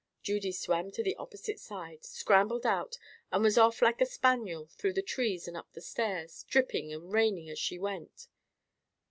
Judy swam to the opposite side, scrambled out, and was off like a spaniel through the trees and up the stairs, dripping and raining as she went.